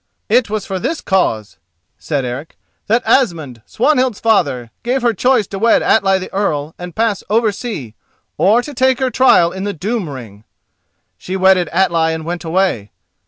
"It was for this cause," said Eric, "that Asmund, Swanhild's father, gave her choice to wed Atli the Earl and pass over sea or to take her trial in the Doom Ring. She wedded Atli and went away.